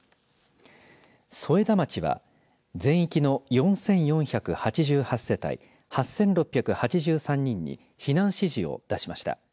添田町は全域の４４８８世帯８６８３人に避難指示を出しました。